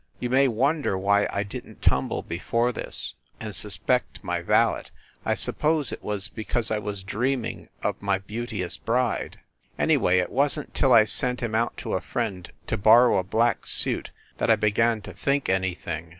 You may wonder why I didn t tumble before this, and suspect my valet. I suppose it was because I was dreaming of my beauteous bride. Anyway, it wasn t till I sent him out to a friend to borrow a black suit that I began to think anything.